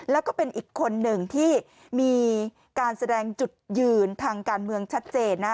แล้วก็เป็นอีกคนหนึ่งที่มีการแสดงจุดยืนทางการเมืองชัดเจนนะ